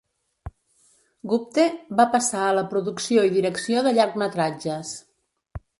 Gupte va passar a la producció i direcció de llargmetratges.